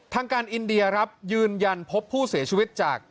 ทางการอินเดียครับยืนยันพบผู้เสียชีวิตจาก